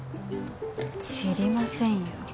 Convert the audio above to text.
知りませんよ。